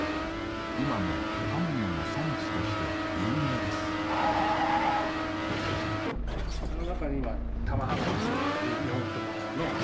今も刃物の産地として有名ですあっ